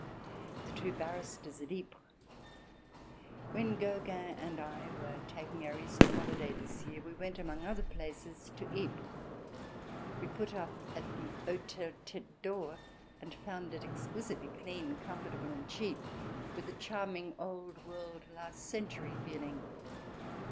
The Two Barristers at Ypres When Gogin and I were taking our Easter holiday this year we went, among other places, to Ypres. We put up at the Hôtel Tête d'Or and found it exquisitely clean, comfortable and cheap, with a charming old world, last century feeling.